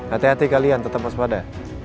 hati hati kalian tetep osspada